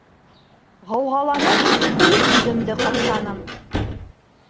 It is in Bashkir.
Ғауғаланып, үҙ-үҙемде ҡапшаным.